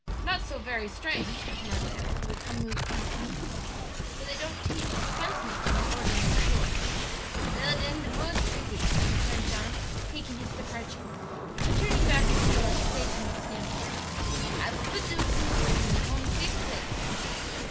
'" "Not so very strange," remarked Edward, with unmoved countenance, "for they don't teach fence making in ordinary schools." "Vell, den, de more's de bity," returned John, taking his departure. But turning back at the door to say to Miss Stanhope, "I vill put dose gooses in von safe place."